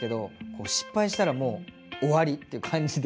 失敗したらもう終わりって感じで。